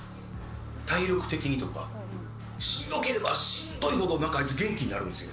しんどければしんどいほどあいつ元気になるんですよ。